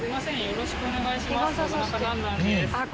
よろしくお願いします。